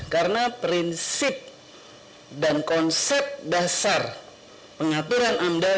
karena prinsip dan konsep dasar pengaturan amdal